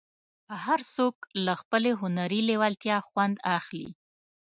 هر څوک له خپلې هنري لېوالتیا خوند اخلي.